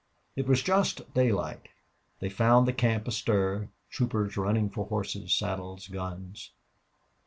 It was just daylight. They found the camp astir troopers running for horses, saddles, guns.